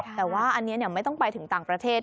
แต่ว่าอันนี้ไม่ต้องไปถึงต่างประเทศ